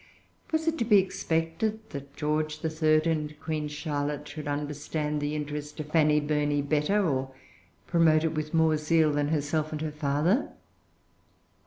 Was it to be expected that George the Third and Queen Charlotte should understand the interest of Frances Burney better, or promote it with more zeal, than herself and her father?